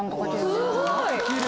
すごい！